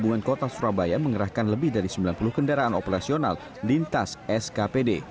perhubungan kota surabaya mengerahkan lebih dari sembilan puluh kendaraan operasional lintas skpd